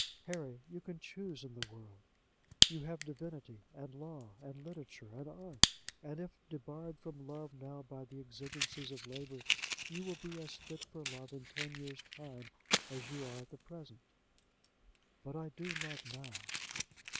Harry, you can choose in the world. You have divinity, and law, and literature, and art. And if debarred from love now by the exigencies of labour, you will be as fit for love in ten years' time as you are at present." "But I do love now."